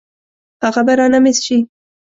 هغه به رانه مېس شي.